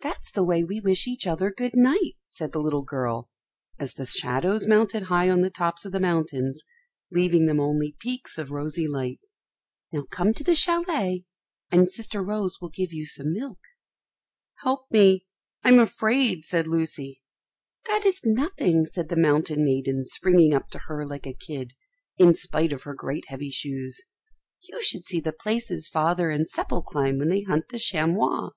"That's the way we wish each other good night," said the little girl, as the shadows mounted high on the tops of the mountains, leaving them only peaks of rosy light. "Now come to the châlet, and sister Rose will give you some milk." [Illustration: "Help me, I'm afraid," said Lucy. Page 52.] "Help me. I'm afraid," said Lucy. "That is nothing," said the mountain maiden springing up to her like a kid, in spite of her great heavy shoes; "you should see the places Father and Seppel climb when they hunt the chamois."